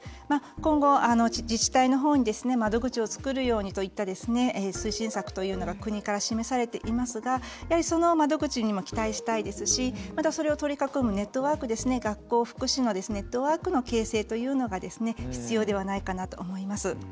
今後、自治体のほうに窓口を作るようにといった推進策というのが国から示されていますがその窓口にも期待したいですしそれを取り囲む学校、福祉のネットワークの形成というのが必要ではないかと思います。